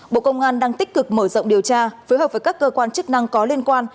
bộ công an đang tích cực mở rộng điều tra phối hợp với các cơ quan chức năng có liên quan